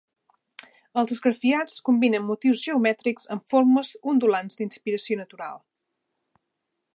Els esgrafiats combinen motius geomètrics amb formes ondulants d'inspiració natural.